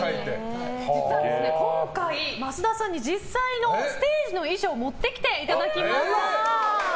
実は今回、増田さんに実際のステージ衣装を持ってきていただきました。